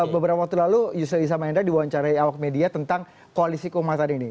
beberapa waktu lalu yusril isamayanda diwawancarai awak media tentang koalisi kumah tadi ini